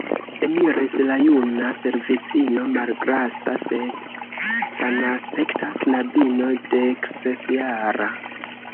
Eniris la juna servistino, malgrasa, sed sanaspekta knabino deksesjara.